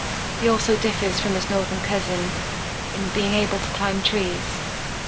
He also differs from his northern cousin in being able to climb trees.